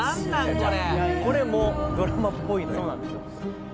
これこれもドラマっぽいのよ